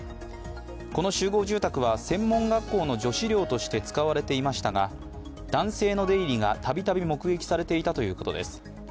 この集合住宅は専門学校の女子寮として使われていましたが男性の出入りが度々目撃されていたということです。